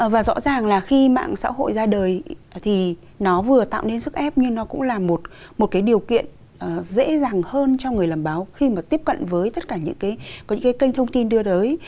và rõ ràng là khi mạng xã hội ra đời thì nó vừa tạo nên sức ép nhưng nó cũng là một cái điều kiện dễ dàng hơn cho người làm báo khi mà tiếp cận với tất cả những cái kênh thông tin đưa đới